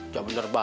gak bener baik